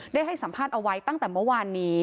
ได้ให้สัมภาษณ์เอาไว้ตั้งแต่เมื่อวานนี้